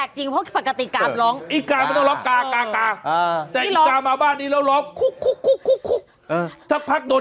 ครุกครุกครุกครุก